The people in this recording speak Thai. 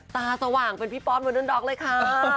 ตาสว่างเป็นพี่ปอสเมอร์เดินดอกเลยค่ะ